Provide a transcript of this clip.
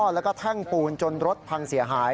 แล้วก็แท่งปูนจนรถพังเสียหาย